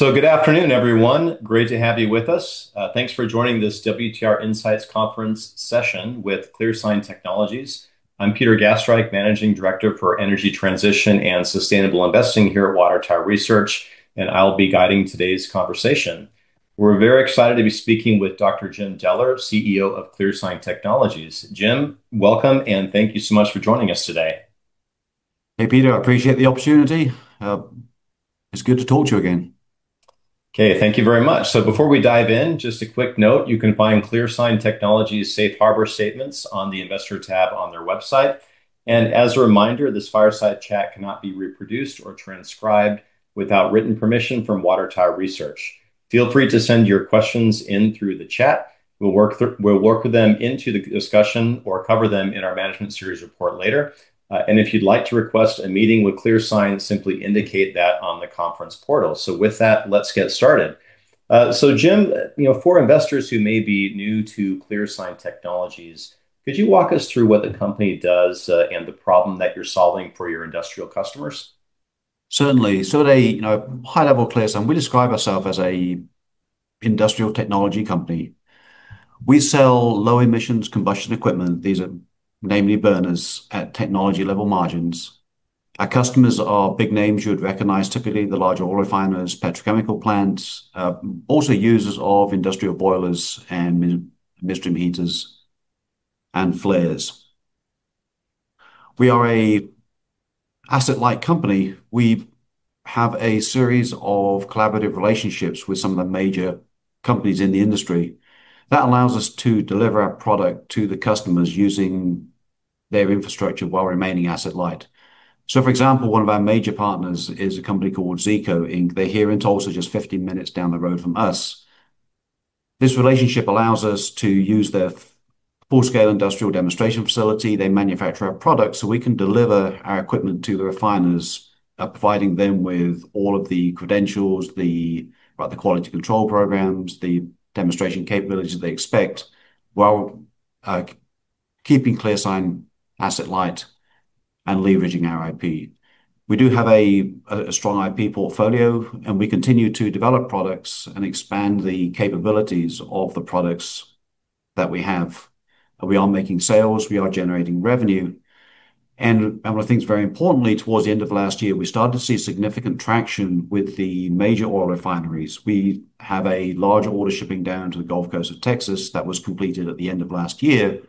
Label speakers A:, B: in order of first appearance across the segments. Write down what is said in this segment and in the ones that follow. A: Good afternoon, everyone. Great to have you with us. Thanks for joining this WTR Insights Conference session with ClearSign Technologies. I'm Peter Gastreich, Managing Director for energy transition and sustainable investing here at Water Tower Research, and I'll be guiding today's conversation. We're very excited to be speaking with Dr. Jim Deller, CEO of ClearSign Technologies. Jim, welcome, and thank you so much for joining us today.
B: Hey, Peter, I appreciate the opportunity. It's good to talk to you again.
A: Okay. Thank you very much. Before we dive in, just a quick note, you can find ClearSign Technologies's safe harbor statements on the investor tab on their website. As a reminder, this fireside chat cannot be reproduced or transcribed without written permission from Water Tower Research. Feel free to send your questions in through the chat. We'll work them into the discussion or cover them in our management series report later. If you'd like to request a meeting with ClearSign, simply indicate that on the conference portal. With that, let's get started. Jim, for investors who may be new to ClearSign Technologies, could you walk us through what the company does, and the problem that you're solving for your industrial customers?
B: Certainly. At a high level at ClearSign, we describe ourselves as an industrial technology company. We sell low emissions combustion equipment, these are namely burners at technology level margins. Our customers are big names you would recognize, typically the larger oil refiners, petrochemical plants, also users of industrial boilers and mist eliminators and flares. We are an asset-light company. We have a series of collaborative relationships with some of the major companies in the industry. That allows us to deliver our product to the customers using their infrastructure while remaining asset light. For example, one of our major partners is a company called Zeeco, Inc. They're here in Tulsa, just 15 minutes down the road from us. This relationship allows us to use their full-scale industrial demonstration facility. They manufacture our products, so we can deliver our equipment to the refiners, providing them with all of the credentials, the quality control programs, the demonstration capabilities they expect, while keeping ClearSign asset light and leveraging our IP. We do have a strong IP portfolio, and we continue to develop products and expand the capabilities of the products that we have. We are making sales, we are generating revenue, and one of the things, very importantly, towards the end of last year, we started to see significant traction with the major oil refineries. We have a large order shipping down to the Gulf Coast of Texas that was completed at the end of last year.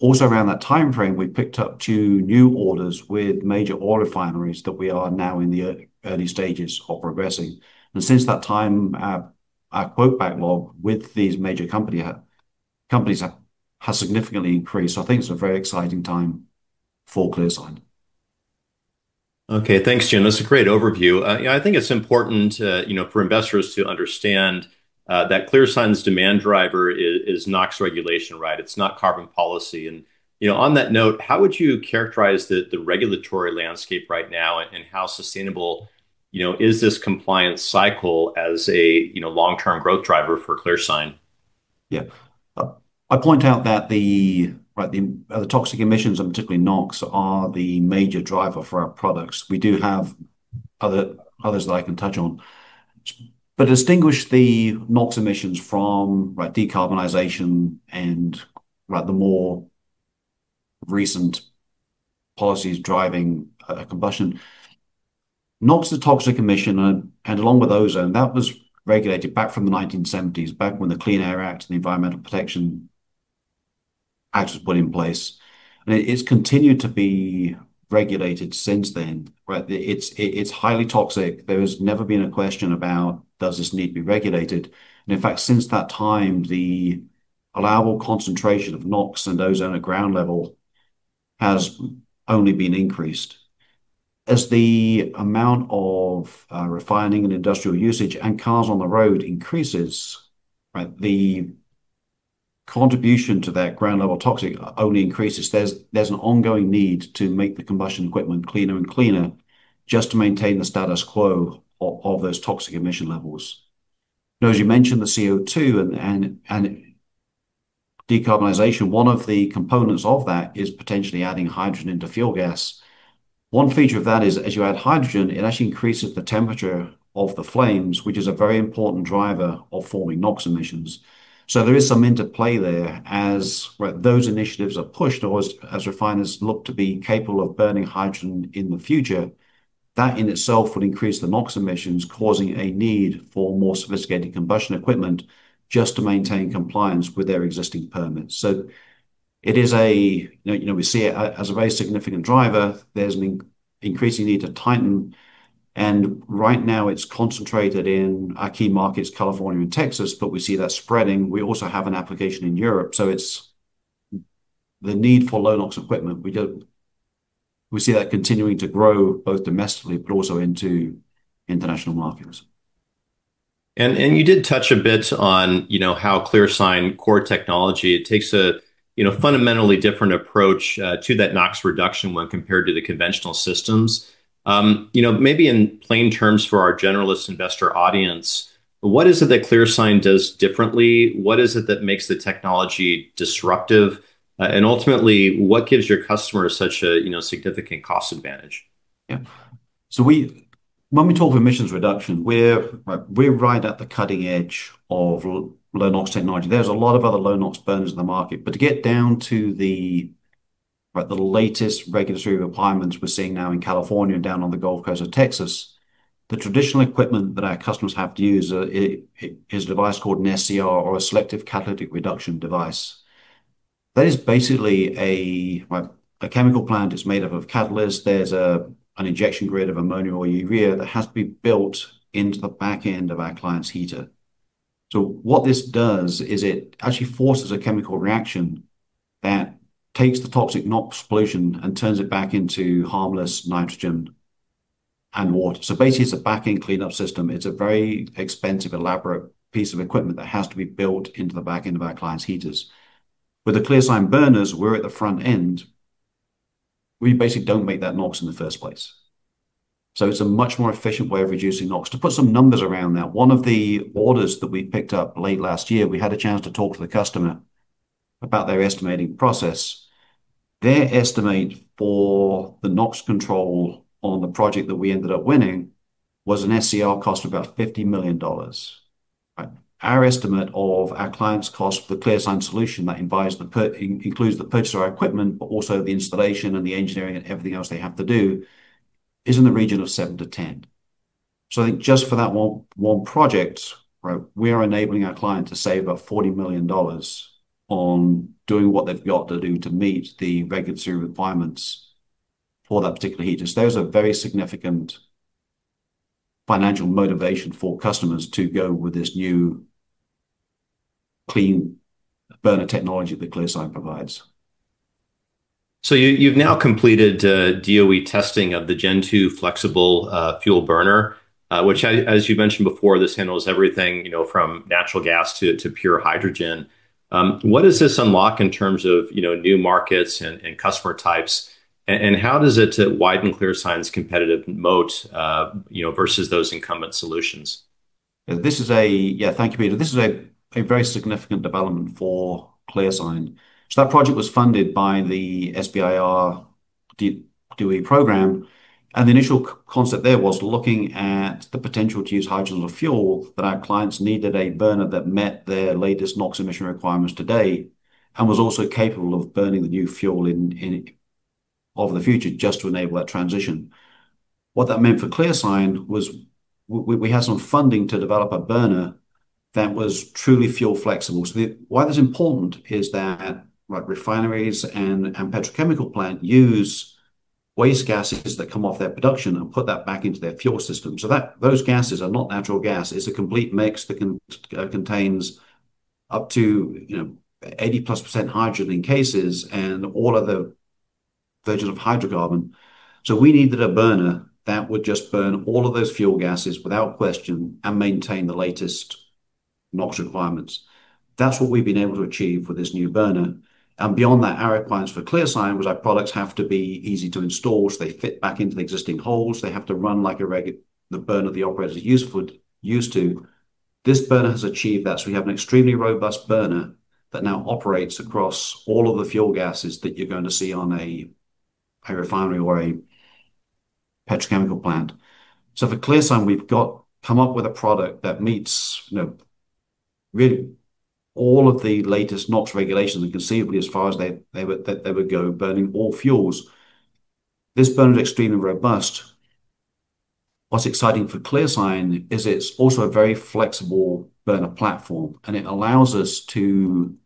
B: Also around that timeframe, we picked up two new orders with major oil refineries that we are now in the early stages of progressing. Since that time, our quote backlog with these major companies has significantly increased. I think it's a very exciting time for ClearSign.
A: Okay, thanks, Jim. That's a great overview. I think it's important for investors to understand that ClearSign's demand driver is NOx regulation, right? It's not carbon policy. On that note, how would you characterize the regulatory landscape right now and how sustainable is this compliance cycle as a long-term growth driver for ClearSign?
B: Yeah. I point out that the toxic emissions, and particularly NOx, are the major driver for our products. We do have others that I can touch on, but distinguish the NOx emissions from decarbonization and the more recent policies driving combustion. NOx, the toxic emission, and along with ozone, that was regulated back from the 1970s, back when the Clean Air Act and the Environmental Protection Act was put in place. It has continued to be regulated since then. It's highly toxic. There has never been a question about does this need to be regulated? In fact, since that time, the allowable concentration of NOx and ozone at ground level has only been increased. As the amount of refining and industrial usage and cars on the road increases, the contribution to that ground level toxic only increases. There's an ongoing need to make the combustion equipment cleaner and cleaner just to maintain the status quo of those toxic emission levels. Now, as you mentioned, the CO2 and decarbonization, one of the components of that is potentially adding hydrogen into fuel gas. One feature of that is as you add hydrogen, it actually increases the temperature of the flames, which is a very important driver of forming NOx emissions. There is some interplay there as those initiatives are pushed, or as refiners look to be capable of burning hydrogen in the future, that in itself would increase the NOx emissions, causing a need for more sophisticated combustion equipment just to maintain compliance with their existing permits. We see it as a very significant driver. There's an increasing need to tighten, and right now it's concentrated in our key markets, California and Texas, but we see that spreading. We also have an application in Europe, so the need for low NOx equipment, we see that continuing to grow both domestically but also into international markets.
A: You did touch a bit on how ClearSign core technology, it takes a fundamentally different approach to that NOx reduction when compared to the conventional systems. Maybe in plain terms for our generalist investor audience. What is it that ClearSign does differently? Ultimately, what gives your customers such a significant cost advantage?
B: Yeah. When we talk emissions reduction, we're right at the cutting edge of low NOx technology. There's a lot of other low NOx burners in the market. To get down to the latest regulatory requirements we're seeing now in California and down on the Gulf Coast of Texas, the traditional equipment that our customers have to use is a device called an SCR or a selective catalytic reduction device. That is basically a chemical plant. It's made up of catalyst. There's an injection grid of ammonia or urea that has to be built into the back end of our client's heater. What this does is it actually forces a chemical reaction that takes the toxic NOx pollution and turns it back into harmless nitrogen and water. Basically, it's a back-end cleanup system. It's a very expensive, elaborate piece of equipment that has to be built into the back end of our clients' heaters. With the ClearSign burners, we're at the front end. We basically don't make that NOx in the first place. It's a much more efficient way of reducing NOx. To put some numbers around that, one of the orders that we picked up late last year, we had a chance to talk to the customer about their estimating process. Their estimate for the NOx control on the project that we ended up winning was an SCR cost of about $50 million. Our estimate of our client's cost for the ClearSign solution that includes the purchase of our equipment, but also the installation and the engineering and everything else they have to do, is in the region of $7 million-$10 million. I think just for that one project, we are enabling our client to save about $40 million on doing what they've got to do to meet the regulatory requirements for that particular heater. There's a very significant financial motivation for customers to go with this new clean burner technology that ClearSign provides.
A: You've now completed DOE testing of the Gen 2 flexible fuel burner, which, as you mentioned before, this handles everything from natural gas to pure hydrogen. What does this unlock in terms of new markets and customer types? How does it widen ClearSign's competitive moat versus those incumbent solutions?
B: Yeah. Thank you, Peter. This is a very significant development for ClearSign. That project was funded by the SBIR DOE program, and the initial concept there was looking at the potential to use hydrogen as a fuel, but our clients needed a burner that met their latest NOx emission requirements today and was also capable of burning the new fuel of the future just to enable that transition. What that meant for ClearSign was we had some funding to develop a burner that was truly fuel flexible. Why that's important is that refineries and petrochemical plant use waste gases that come off their production and put that back into their fuel system. Those gases are not natural gas. It's a complete mix that contains up to 80+% hydrogen in cases and all other versions of hydrocarbon. We needed a burner that would just burn all of those fuel gases without question and maintain the latest NOx requirements. That's what we've been able to achieve with this new burner. Beyond that, our requirements for ClearSign was our products have to be easy to install, so they fit back into the existing holes. They have to run like the burner the operator is used to. This burner has achieved that. We have an extremely robust burner that now operates across all of the fuel gases that you're going to see on a refinery or a petrochemical plant. For ClearSign, we've come up with a product that meets really all of the latest NOx regulations and conceivably as far as they would go, burning all fuels. This burner is extremely robust. What's exciting for ClearSign is it's also a very flexible burner platform, and it allows us to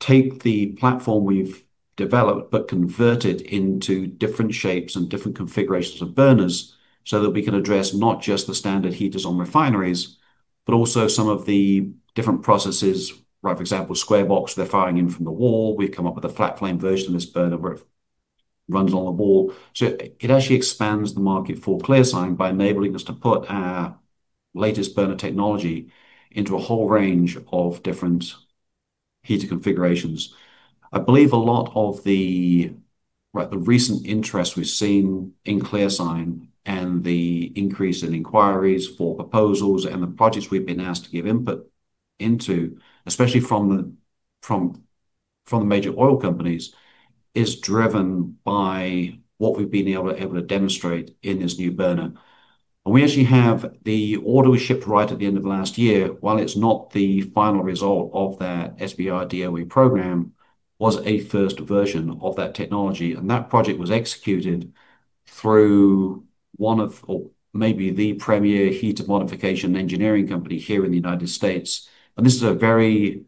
B: take the platform we've developed but convert it into different shapes and different configurations of burners so that we can address not just the standard heaters on refineries, but also some of the different processes. For example, square box, they're firing in from the wall. We've come up with a flat flame version of this burner where it runs along the wall. It actually expands the market for ClearSign by enabling us to put our latest burner technology into a whole range of different heater configurations. I believe a lot of the recent interest we've seen in ClearSign and the increase in inquiries for proposals and the projects we've been asked to give input into, especially from the major oil companies, is driven by what we've been able to demonstrate in this new burner. We actually have the order we shipped right at the end of last year, while it's not the final result of that SBIR DOE program, was a first version of that technology, and that project was executed through one of, or maybe the premier heater modification engineering company here in the United States. This is a very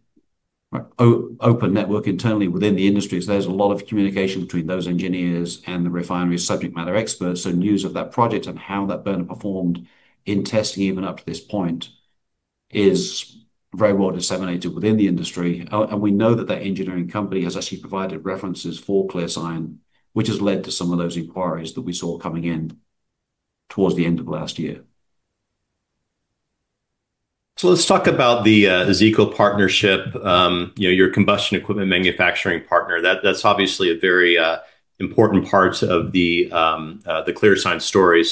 B: open network internally within the industry. There's a lot of communication between those engineers and the refinery subject matter experts, so news of that project and how that burner performed in testing even up to this point is very well disseminated within the industry. We know that engineering company has actually provided references for ClearSign, which has led to some of those inquiries that we saw coming in towards the end of last year.
A: Let's talk about the Zeeco partnership, your combustion equipment manufacturing partner. That's obviously a very important part of the ClearSign story.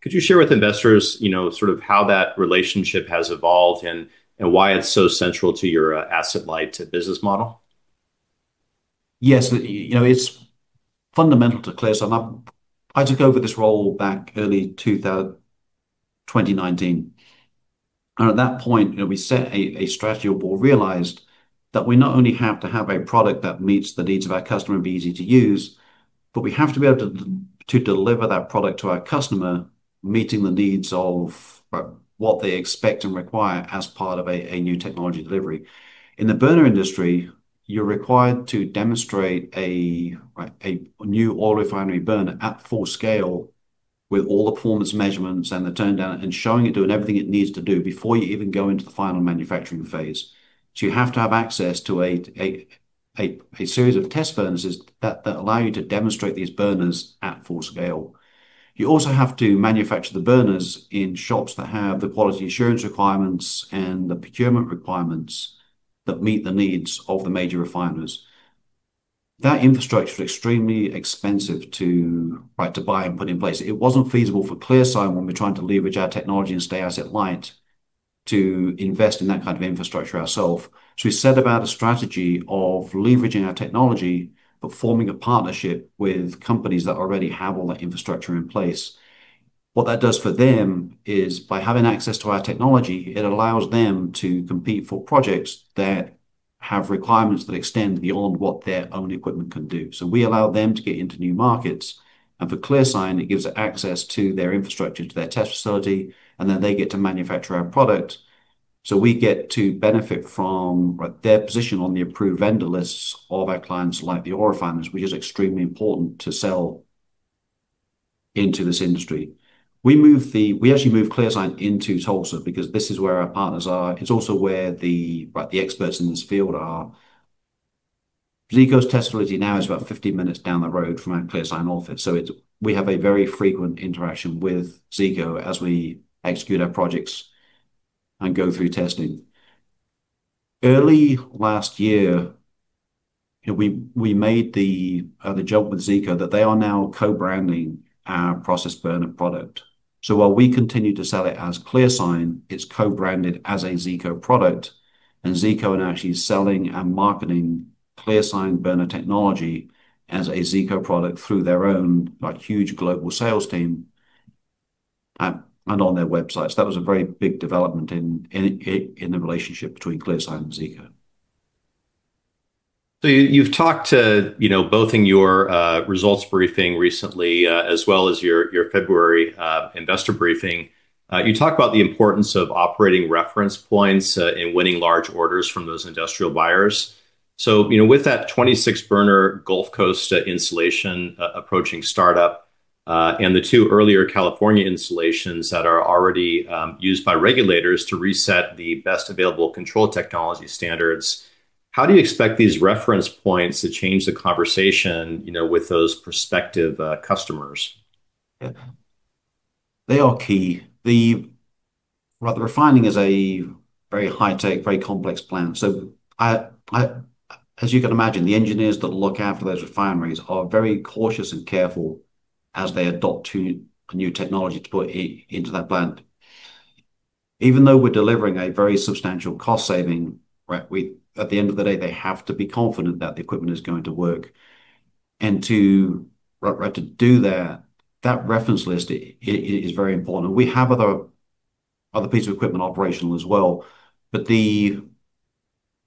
A: Could you share with investors sort of how that relationship has evolved and why it's so central to your asset-light business model?
B: Yes. It's fundamental to ClearSign. I took over this role back early 2019, and at that point, we set a strategy. Our board realized that we not only have to have a product that meets the needs of our customer and be easy to use, but we have to be able to deliver that product to our customer, meeting the needs of what they expect and require as part of a new technology delivery. In the burner industry, you're required to demonstrate a new oil refinery burner at full scale with all the performance measurements and the turnaround, and showing it doing everything it needs to do before you even go into the final manufacturing phase. You have to have access to a series of test burners that allow you to demonstrate these burners at full scale. You also have to manufacture the burners in shops that have the quality assurance requirements and the procurement requirements that meet the needs of the major refiners. That infrastructure is extremely expensive to buy and put in place. It wasn't feasible for ClearSign when we're trying to leverage our technology and stay asset-light to invest in that kind of infrastructure ourselves. We set about a strategy of leveraging our technology, but forming a partnership with companies that already have all that infrastructure in place. What that does for them is, by having access to our technology, it allows them to compete for projects that have requirements that extend beyond what their own equipment can do. We allow them to get into new markets, and for ClearSign, it gives it access to their infrastructure, to their test facility, and then they get to manufacture our product. We get to benefit from their position on the approved vendor lists of our clients, like the oil refiners, which is extremely important to sell into this industry. We actually moved ClearSign into Tulsa because this is where our partners are. It's also where the experts in this field are. Zeeco's test facility now is about 15 minutes down the road from our ClearSign office, so we have a very frequent interaction with Zeeco as we execute our projects and go through testing. Early last year, we made the jump with Zeeco that they are now co-branding our process burner product. While we continue to sell it as ClearSign, it's co-branded as a Zeeco product, and Zeeco are actually selling and marketing ClearSign burner technology as a Zeeco product through their own huge global sales team and on their website. That was a very big development in the relationship between ClearSign and Zeeco.
A: You've talked about, both in your results briefing recently, as well as your February investor briefing, you talk about the importance of operating reference points in winning large orders from those industrial buyers. With that 26-burner Gulf Coast installation approaching startup, and the two earlier California installations that are already used by regulators to reset the best available control technology standards, how do you expect these reference points to change the conversation with those prospective customers?
B: They are key. Refining is a very high tech, very complex plant, so as you can imagine, the engineers that look after those refineries are very cautious and careful as they adopt a new technology to put into that plant. Even though we're delivering a very substantial cost saving, at the end of the day, they have to be confident that the equipment is going to work, and to do that reference list is very important, and we have other piece of equipment operational as well. The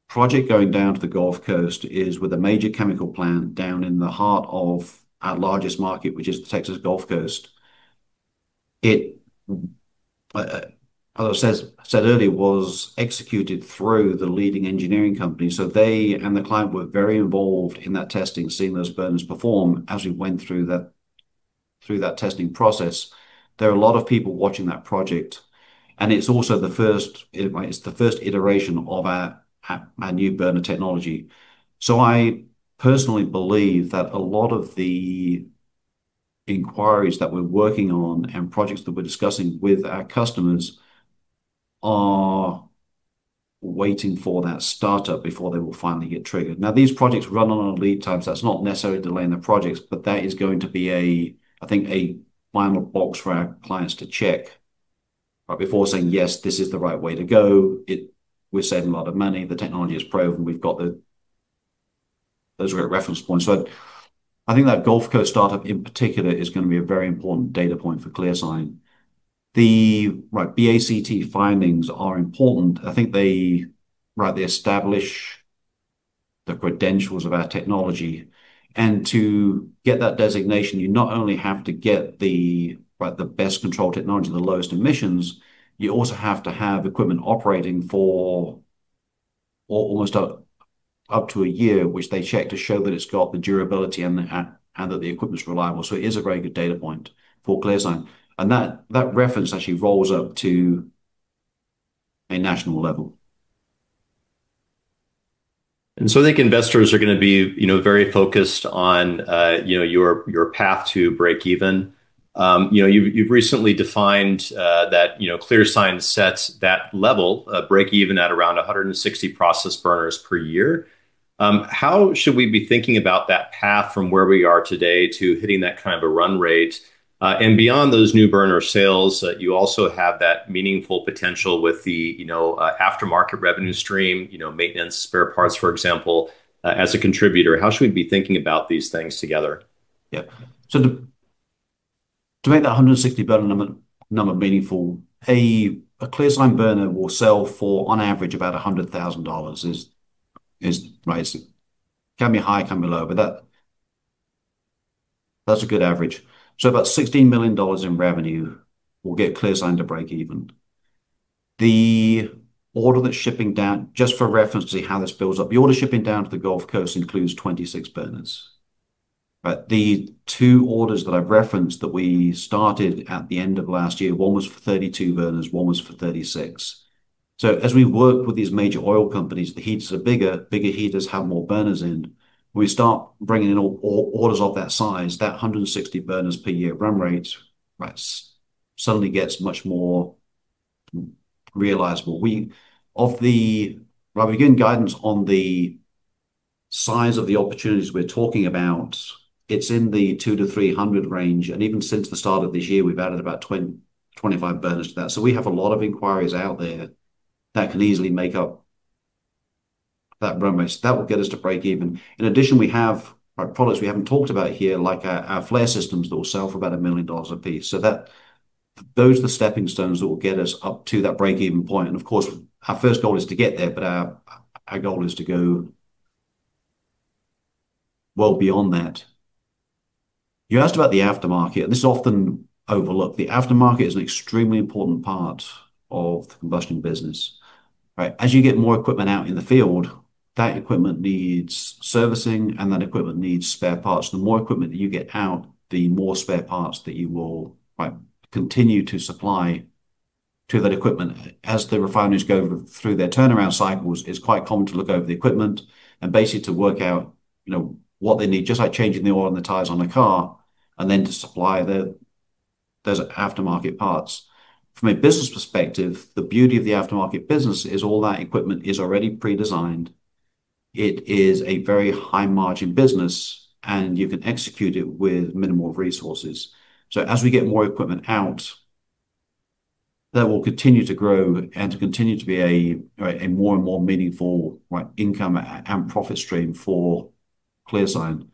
B: project going down to the Gulf Coast is with a major chemical plant down in the heart of our largest market, which is the Texas Gulf Coast. It, as I said earlier, was executed through the leading engineering company. They and the client were very involved in that testing, seeing those burners perform as we went through that testing process. There are a lot of people watching that project, and it's also the first iteration of our new burner technology. I personally believe that a lot of the inquiries that we're working on and projects that we're discussing with our customers are waiting for that startup before they will finally get triggered. Now, these projects run on our lead times. That's not necessarily delaying the projects, but that is going to be, I think, a final box for our clients to check before saying, "Yes, this is the right way to go. We're saving a lot of money. The technology is proven. We've got those reference points." I think that Gulf Coast startup in particular is going to be a very important data point for ClearSign. The BACT findings are important. I think they establish the credentials of our technology, and to get that designation, you not only have to get the best control technology and the lowest emissions, you also have to have equipment operating for almost up to a year, which they check to show that it's got the durability and that the equipment's reliable. So it is a very good data point for ClearSign, and that reference actually rolls up to a national level.
A: I think investors are going to be very focused on your path to breakeven. You've recently defined that ClearSign sets that level of breakeven at around 160 process burners per year. How should we be thinking about that path from where we are today to hitting that kind of a run rate? Beyond those new burner sales, you also have that meaningful potential with the aftermarket revenue stream, maintenance, spare parts, for example, as a contributor. How should we be thinking about these things together?
B: Yeah. To make that 160 burner number meaningful, a ClearSign burner will sell for, on average, about $100,000. It can be high, it can be low, but that's a good average. About $16 million in revenue will get ClearSign to breakeven. Just for reference to see how this builds up, the order shipping down to the Gulf Coast includes 26 burners. The two orders that I've referenced that we started at the end of last year, one was for 32 burners, one was for 36. As we work with these major oil companies, the heaters are bigger heaters have more burners in. We start bringing in orders of that size, that 160 burners per year run rate suddenly gets much more realizable. We're giving guidance on the size of the opportunities we're talking about. It's in the 200-300 range, and even since the start of this year, we've added about 25 burners to that. We have a lot of inquiries out there that can easily make up that run rate. That will get us to breakeven. In addition, we have products we haven't talked about here, like our flare systems that will sell for about $1 million a piece. Those are the stepping stones that will get us up to that breakeven point. Of course, our first goal is to get there, but our goal is to go well beyond that. You asked about the aftermarket, and this is often overlooked. The aftermarket is an extremely important part of the combustion business, right? As you get more equipment out in the field, that equipment needs servicing and that equipment needs spare parts. The more equipment that you get out, the more spare parts that you will continue to supply to that equipment. As the refineries go through their turnaround cycles, it's quite common to look over the equipment and basically to work out what they need, just like changing the oil and the tires on a car, and then to supply those aftermarket parts. From a business perspective, the beauty of the aftermarket business is all that equipment is already pre-designed. It is a very high-margin business, and you can execute it with minimal resources. As we get more equipment out, that will continue to grow and to continue to be a more and more meaningful income and profit stream for ClearSign.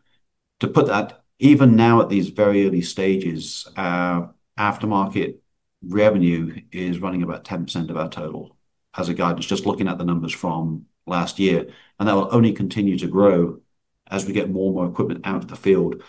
B: To put that, even now at these very early stages, our aftermarket revenue is running about 10% of our total as a guide, just looking at the numbers from last year. That will only continue to grow as we get more and more equipment out in the field.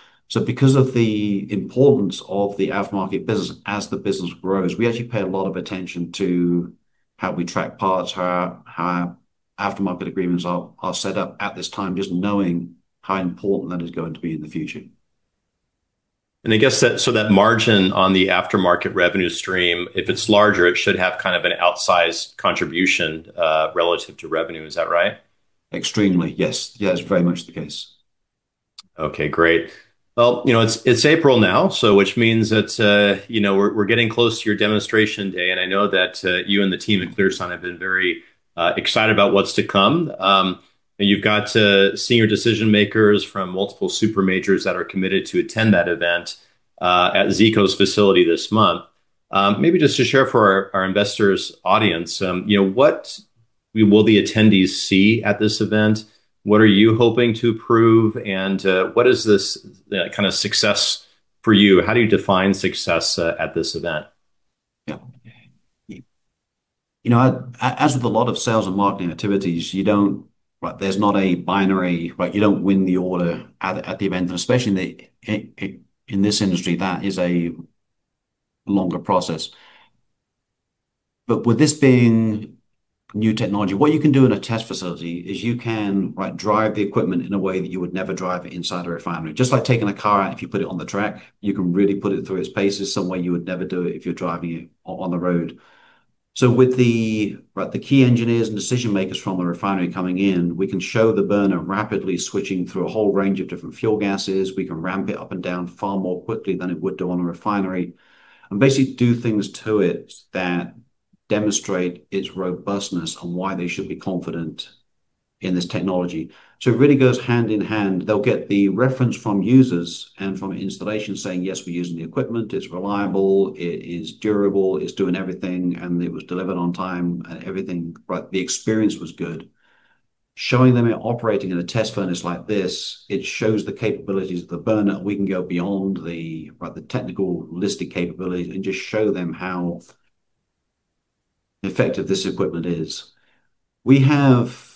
B: Because of the importance of the aftermarket business, as the business grows, we actually pay a lot of attention to how we track parts, how our aftermarket agreements are set up at this time, just knowing how important that is going to be in the future.
A: I guess that margin on the aftermarket revenue stream, if it's larger, it should have kind of an outsized contribution, relative to revenue. Is that right?
B: Extremely, yes. Yeah, that's very much the case.
A: Okay, great. Well, it's April now, which means that we're getting close to your demonstration day, and I know that you and the team at ClearSign have been very excited about what's to come. You've got senior decision-makers from multiple super majors that are committed to attend that event at Zeeco's facility this month. Maybe just to share for our investors audience, what will the attendees see at this event? What are you hoping to prove? And what is this kind of success for you? How do you define success at this event?
B: Yeah. As with a lot of sales and marketing activities, there's not a binary, you don't win the order at the event, and especially in this industry, that is a longer process. With this being new technology, what you can do in a test facility is you can drive the equipment in a way that you would never drive it inside a refinery. Just like taking a car out, if you put it on the track, you can really put it through its paces somewhere you would never do it if you're driving it on the road. With the key engineers and decision-makers from the refinery coming in, we can show the burner rapidly switching through a whole range of different fuel gases. We can ramp it up and down far more quickly than it would do on a refinery, and basically do things to it that demonstrate its robustness and why they should be confident in this technology. It really goes hand in hand. They'll get the reference from users and from installation saying, "Yes, we're using the equipment. It's reliable, it is durable, it's doing everything, and it was delivered on time, and the experience was good." Showing them it operating in a test furnace like this, it shows the capabilities of the burner. We can go beyond the technical listed capabilities and just show them how effective this equipment is. We have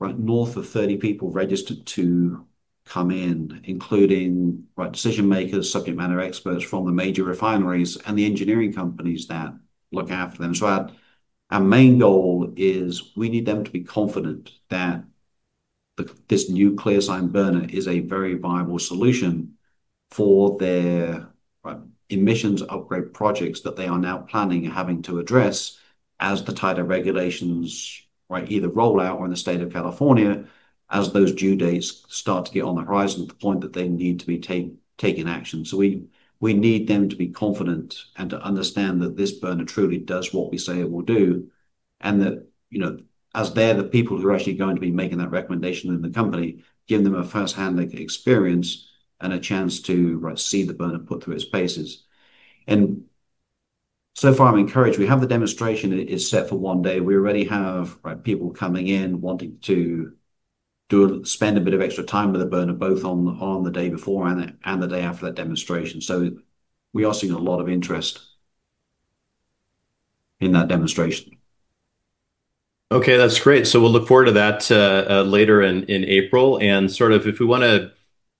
B: north of 30 people registered to come in, including decision-makers, subject matter experts from the major refineries, and the engineering companies that look after them. Our main goal is we need them to be confident that this new ClearSign burner is a very viable solution for their emissions upgrade projects that they are now planning and having to address as the tighter regulations either roll out or in the state of California, as those due dates start to get on the horizon to the point that they need to be taking action. We need them to be confident and to understand that this burner truly does what we say it will do, and that as they're the people who are actually going to be making that recommendation in the company, give them a first-hand experience and a chance to see the burner put through its paces. So far I'm encouraged. We have the demonstration is set for one day. We already have people coming in wanting to spend a bit of extra time with the burner, both on the day before and the day after that demonstration. We are seeing a lot of interest in that demonstration.
A: Okay, that's great. We'll look forward to that later in April. If we want to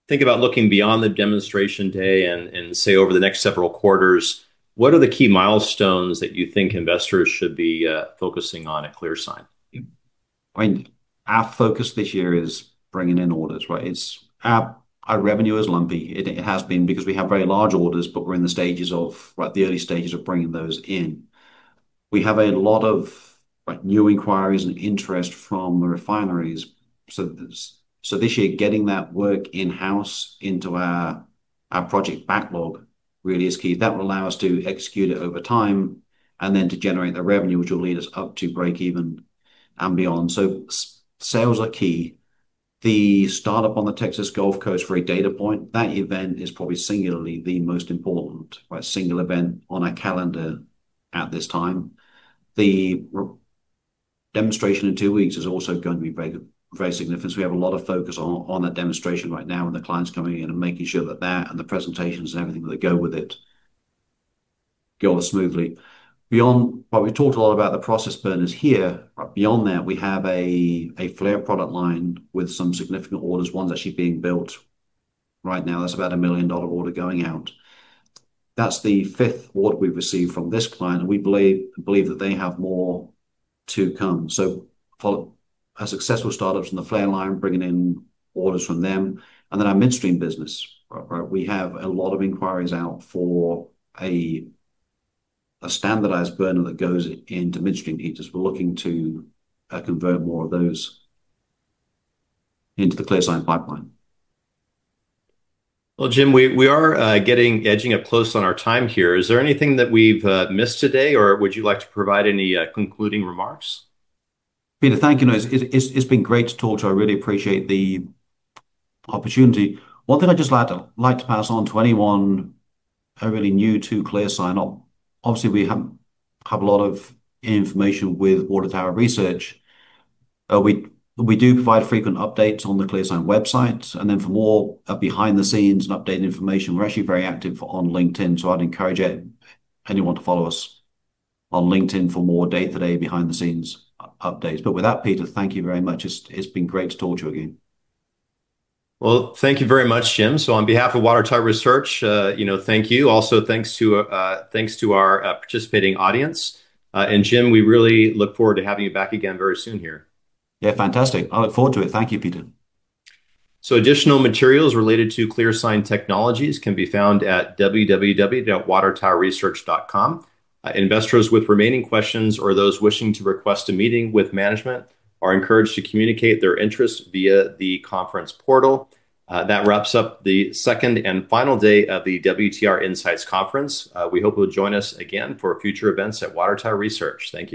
A: think about looking beyond the demonstration day and say, over the next several quarters, what are the key milestones that you think investors should be focusing on at ClearSign?
B: Our focus this year is bringing in orders, right? Our revenue is lumpy. It has been because we have very large orders, but we're in the early stages of bringing those in. We have a lot of new inquiries and interest from the refineries. This year, getting that work in-house into our project backlog really is key. That will allow us to execute it over time and then to generate the revenue which will lead us up to break even and beyond. Sales are key. The startup on the Texas Gulf Coast for a data point, that event is probably singularly the most important single event on our calendar at this time. The demonstration in two weeks is also going to be very significant. We have a lot of focus on that demonstration right now and the clients coming in and making sure that that and the presentations and everything that go with it go smoothly. We've talked a lot about the process burners here. Beyond that, we have a flare product line with some significant orders, one is actually being built right now. That's about a $1 million order going out. That's the fifth order we've received from this client, and we believe that they have more to come. Follow our successful startups in the flare line, bringing in orders from them, and then our midstream business. We have a lot of inquiries out for a standardized burner that goes into midstream heaters. We're looking to convert more of those into the ClearSign pipeline.
A: Well, Jim, we are edging up close on our time here. Is there anything that we've missed today, or would you like to provide any concluding remarks?
B: Peter, thank you. It's been great to talk to you. I really appreciate the opportunity. One thing I'd just like to pass on to anyone really new to ClearSign, obviously we have a lot of information with Water Tower Research. We do provide frequent updates on the ClearSign website, and then for more behind-the-scenes and updated information, we're actually very active on LinkedIn. I'd encourage anyone to follow us on LinkedIn for more day-to-day behind-the-scenes updates. With that, Peter, thank you very much. It's been great to talk to you again.
A: Well, thank you very much, Jim. On behalf of Water Tower Research, thank you. Also thanks to our participating audience. Jim, we really look forward to having you back again very soon here.
B: Yeah, fantastic. I look forward to it. Thank you, Peter.
A: Additional materials related to ClearSign Technologies can be found at www.watertowerresearch.com. Investors with remaining questions or those wishing to request a meeting with management are encouraged to communicate their interest via the conference portal. That wraps up the second and final day of the WTR Insights Conference. We hope you'll join us again for future events at Water Tower Research. Thank you.